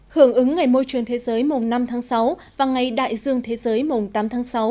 hưởng ứng ngày môi trường thế giới mùng năm tháng sáu và ngày đại dương thế giới mùng tám tháng sáu